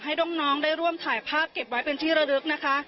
ให้น้องได้ร่วมถ่ายภาพเก็บไว้เป็นที่ระลึกนะคะ